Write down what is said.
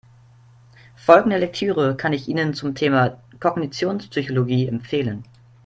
Folgende Lektüre kann ich Ihnen zum Thema Kognitionspsychologie empfehlen.